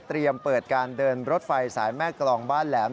เปิดการเดินรถไฟสายแม่กรองบ้านแหลม